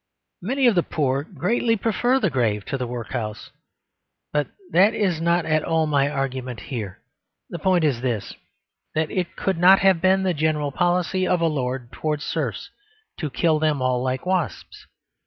Many of the poor greatly prefer the grave to the workhouse, but that is not at all my argument here. The point is this: that it could not have been the general policy of a lord towards serfs to kill them all like wasps.